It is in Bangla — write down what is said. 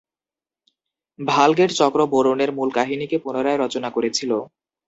ভালগেট চক্র বোরনের মূল কাহিনীকে পুনরায় রচনা করেছিল।